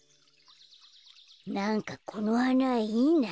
なんかこのはないいな。